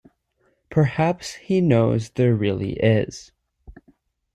Perhaps he knows there really is.